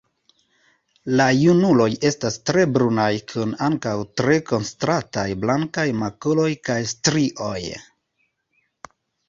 La junuloj estas tre brunaj kun ankaŭ tre kontrastaj blankaj makuloj kaj strioj.